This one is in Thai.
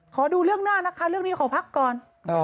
ขอดูเรื่องหน้านะคะเรื่องนี้ขอพักก่อน